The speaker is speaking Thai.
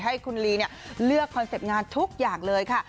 ให้คุณลีเลือกคอนเซ็ปต์งานทุกอย่างเลยค่ะ